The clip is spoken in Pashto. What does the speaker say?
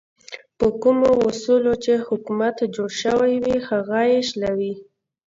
په کومو اصولو چې حکومت جوړ شوی وي هغه یې شلوي.